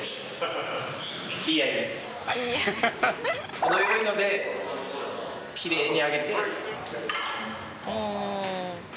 程良いのできれいに上げて。